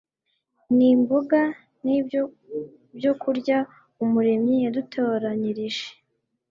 Ni mboga ni byo byokurya Umuremyi yadutoranyirije.